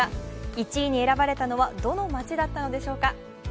１位に選ばれたのはどの街だったのでしょうか。